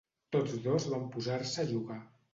Tots dos van posar-se a jugar.